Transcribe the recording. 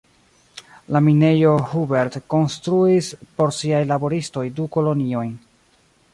La minejo Hubert konstruis por siaj laboristoj du koloniojn.